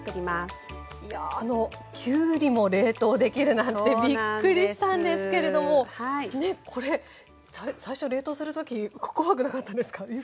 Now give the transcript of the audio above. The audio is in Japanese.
いやあのきゅうりも冷凍できるなんてびっくりしたんですけれどもこれ最初冷凍する時怖くなかったですか？